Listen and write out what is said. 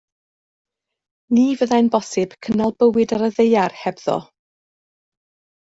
Ni fyddai'n bosib cynnal bywyd ar y ddaear hebddo.